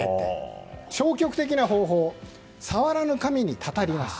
消極的な方法触らぬ神に祟りなし。